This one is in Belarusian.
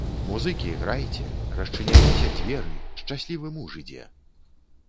Музыкі, грайце, расчыняйцеся дзверы, шчаслівы муж ідзе.